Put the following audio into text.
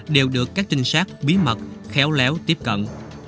đều được các trinh sát bí mật khéo léo tiếp cận